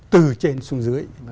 từ trên xuống dưới